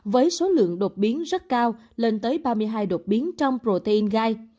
với số lượng đột biến rất cao lên tới ba mươi hai đột biến trong protein gai